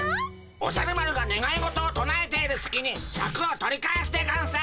おじゃる丸がねがい事をとなえているすきにシャクを取り返すでゴンス。